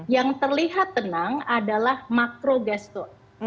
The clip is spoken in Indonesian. yang terlihat tenang adalah makrogesto